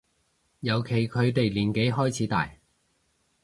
尤其佢哋年紀開始大